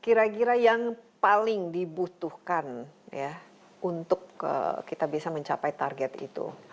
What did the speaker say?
kira kira yang paling dibutuhkan ya untuk kita bisa mencapai target itu